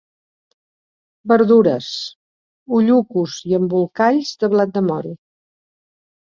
Verdures: ullucos i embolcalls de blat de moro.